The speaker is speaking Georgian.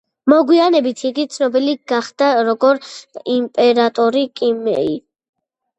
მოგივანებით იგი ცნობილი გახდა, როგორ იმპერატორი კიმეი.